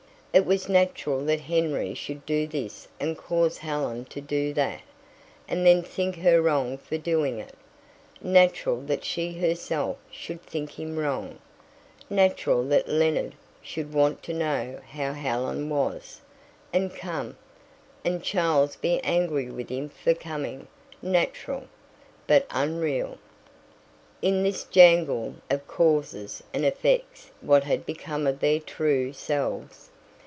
It was natural that Henry should do this and cause Helen to do that, and then think her wrong for doing it; natural that she herself should think him wrong; natural that Leonard should want to know how Helen was, and come, and Charles be angry with him for coming natural, but unreal. In this jangle of causes and effects what had become of their true selves?